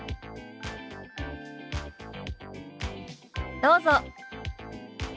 どうぞ。